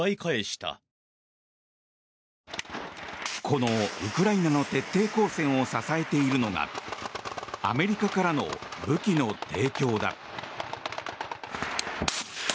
このウクライナの徹底抗戦を支えているのがアメリカからの武器の提供だ。